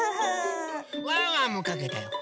ワンワンもかけたよ。